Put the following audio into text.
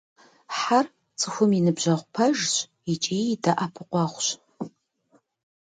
Хьэр – цӏыхум и ныбжьэгъу пэжщ икӏи и дэӏэпыкъуэгъущ.